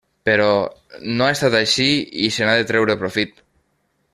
Però no ha estat així i se n'ha de treure profit.